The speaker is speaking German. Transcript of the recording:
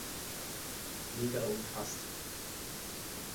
Liga umfasst.